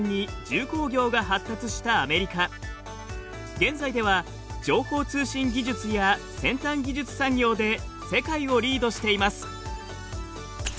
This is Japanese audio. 現在では情報通信技術や先端技術産業で世界をリードしています。